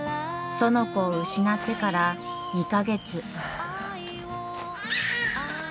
園子を失ってから２か月。